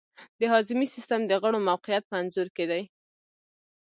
د هاضمې سیستم د غړو موقیعت په انځور کې دی.